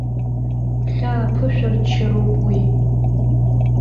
Хьаа-ԥышәырччароуп уи.